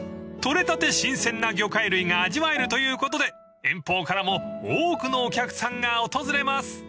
［取れたて新鮮な魚介類が味わえるということで遠方からも多くのお客さんが訪れます］